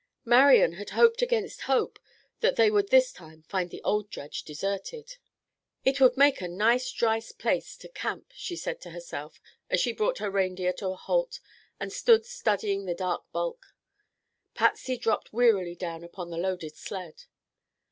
Marian had hoped against hope that they would this time find the old dredge deserted. "It would make a nice dry place to camp," she said to herself, as she brought her reindeer to a halt and stood studying the dark bulk. Patsy dropped wearily down upon a loaded sled.